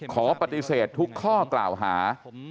ขอปฏิเสธทุกข้อกล่าวหา